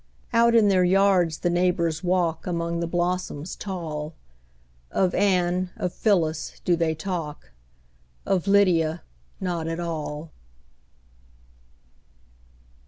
Out in their yards the neighbors walk, Among the blossoms tall; Of Anne, of Phyllis, do they talk, Of Lydia not at all.